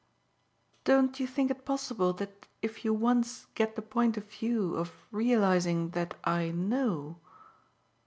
"Don't you think it possible that if you once get the point of view of realising that I KNOW